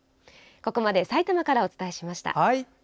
ここまで埼玉からお伝えしました。